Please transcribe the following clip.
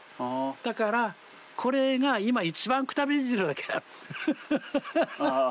だからこれが今一番くたびれてるわけだ。